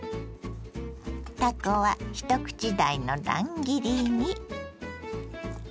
たこは一口大の乱切りに。